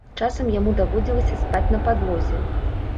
Часам яму даводзілася спаць на падлозе.